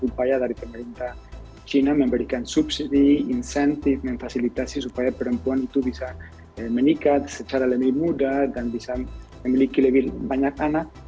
namun itu agak sulit untuk mengembalikan sudah banyak upaya dari pemerintah china memberikan subsidi insentif dan fasilitasi supaya perempuan itu bisa menikah secara lebih mudah dan bisa memiliki lebih banyak anak